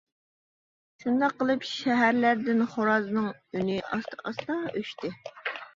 شۇنداق قىلىپ شەھەرلەردىن خورازنىڭ ئۈنى ئاستا-ئاستا ئۆچتى.